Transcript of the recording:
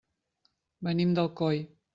Venim d'Alcoi.